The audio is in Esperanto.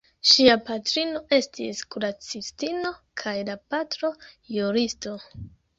Ŝia patrino estis kuracistino kaj la patro juristo.